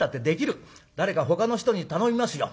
誰かほかの人に頼みますよ。ね？